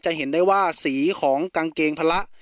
เห็นได้ว่าสีของกางเกงพละ